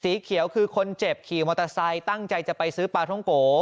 สีเขียวคือคนเจ็บขี่มอเตอร์ไซค์ตั้งใจจะไปซื้อปลาท้องโก